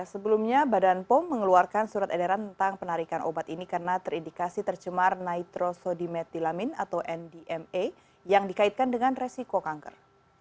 sebelumnya badan pom mengeluarkan surat edaran tentang penarikan obat ini karena terindikasi tercemar nitrosodimetilamin atau ndma yang dikaitkan dengan resiko kanker